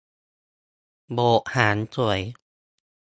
โบกหางสวย